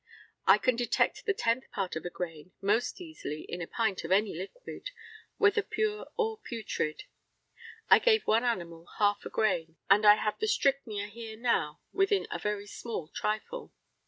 I can detect the tenth part of a grain, most easily in a pint of any liquid, whether pure or putrid. I gave one animal half a grain, and I have the strychnia here now within a very small trifle.